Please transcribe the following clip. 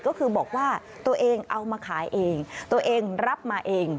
ก็คือบอกว่าตัวเองเอามาขายเองตัวเองรับมาเอง